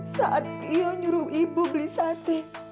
saat dia nyuruh ibu beli sate